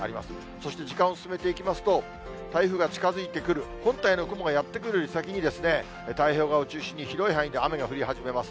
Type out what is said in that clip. そして時間を進めていきますと、台風が近づいてくる、本体の雲がやって来るより先に、太平洋側を中心に、広い範囲で雨が降り始めます。